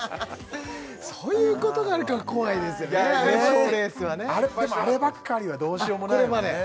そういうことがあるから怖いですよね賞レースはねでもあればっかりはどうしようもないもんね